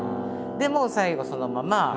でもう最後そのまま。